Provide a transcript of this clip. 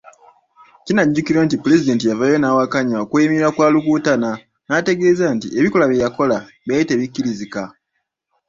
Kinajjukirwa nti, Pulezidenti yavaayo n'awakkanya okweyimirirwa kwa Rukutana n'ategeeza nti, ebikolwa bye yakola byali tebikkirizika.